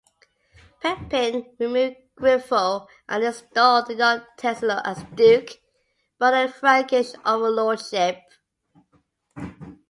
Pepin removed Grifo and installed the young Tassilo as duke, but under Frankish overlordship.